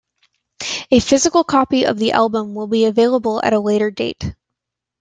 A physical copy of the album will be available at a later date.